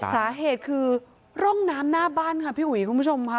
สาเหตุคือร่องน้ำหน้าบ้านค่ะพี่อุ๋ยคุณผู้ชมค่ะ